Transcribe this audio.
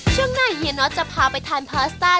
ช่วงหน้าเฮียน็อตจะพาไปทานพาสต้า